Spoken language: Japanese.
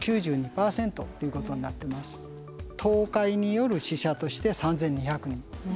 倒壊による死者として３，２００人。